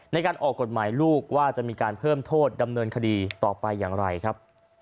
ในการออกกฎหมายลูกว่าจะมีการเพิ่มโทษดำเนินคดีต่อไปอย่างไรครับ